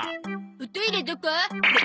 おトイレどこ？